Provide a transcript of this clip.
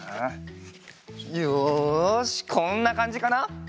よしこんなかんじかな？